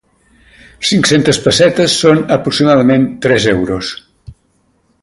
Cinc-centes pessetes són aproximadament tres euros.